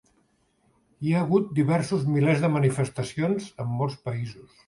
Hi ha hagut diversos milers de manifestacions en molts països.